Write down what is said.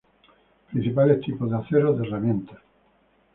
Principales tipos de aceros de herramientas